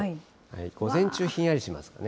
午前中、ひんやりしますね。